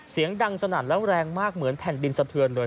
เสียงดังสนั่นแล้วแรงมากเหมือนแผ่นดินสะเทือนเลย